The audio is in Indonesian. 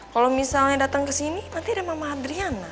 kalo misalnya dateng kesini nanti ada mama adriana